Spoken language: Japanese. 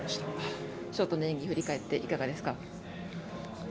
ショートの演技振り返っていかがですか。